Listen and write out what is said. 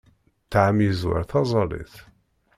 Ṭṭɛam yezwar taẓẓalit.